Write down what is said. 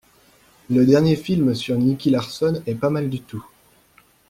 Le dernier film sur Nicky Larson est pas mal du tout.